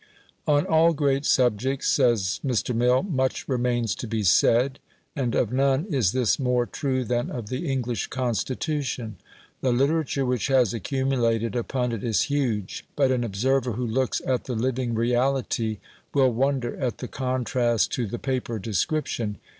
"On all great subjects," says Mr. Mill, "much remains to be said," and of none is this more true than of the English Constitution. The literature which has accumulated upon it is huge. But an observer who looks at the living reality will wonder at the contrast to the paper description.